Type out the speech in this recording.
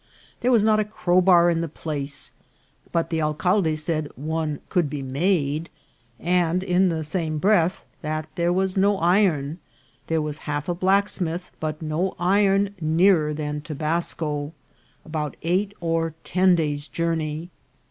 There was not a crowbar in the place ; but the alcalde said one could be made, and in the same breath that there was no iron ; there was half a blacksmith, but no iron nearer than Tobasco, about eight or ten days' journey.